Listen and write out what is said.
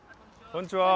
こんにちは。